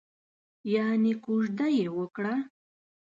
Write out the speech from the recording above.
یانې کوژده یې وکړه؟